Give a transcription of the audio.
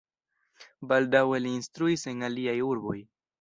Baldaŭe li instruis en aliaj urboj.